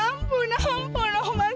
ampun ampun omang